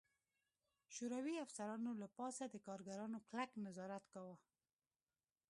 شوروي افسرانو له پاسه د کارګرانو کلک نظارت کاوه